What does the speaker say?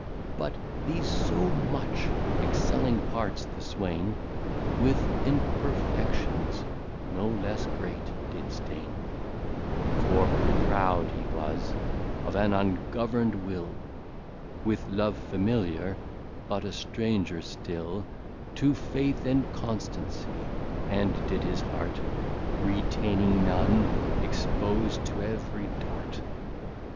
But these so much Excelling parts the Swain, With Imperfections no less Great, did stain: For proud he was, of an Ungovern'd Will, With Love Familiar, but a Stranger still To Faith and Constancy; and did his Heart, Retaining none, expose to ev'ry Dart.